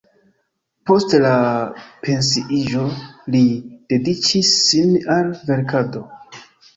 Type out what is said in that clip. Post la pensiiĝo li dediĉis sin al verkado.